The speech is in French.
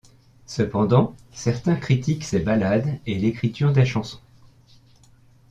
Cependant, certains critiquent ses ballades et l'écriture des chansons.